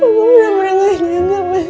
aku pernah merenggaknya mbak